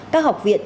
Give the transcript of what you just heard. các học viện